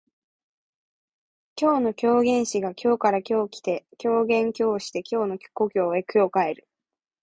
今日の狂言師が京から今日来て狂言今日して京の故郷へ今日帰る